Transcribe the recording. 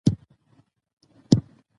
مجهول ماضي فاعل له منځه وړي.